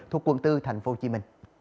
thuộc quận bốn tp hcm